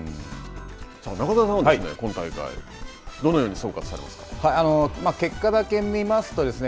中澤さんは、今大会、どのように、結果だけ見ますとですね